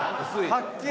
はっきり。